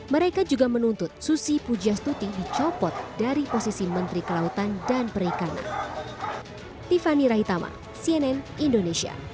mereka juga menuntut susi pujastuti dicopot dari posisi menteri kelautan dan perikanan